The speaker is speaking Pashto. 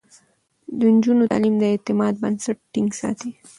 د نجونو تعليم د اعتماد بنسټ ټينګ ساتي.